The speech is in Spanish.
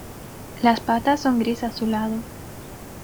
Las patas son gris azulado.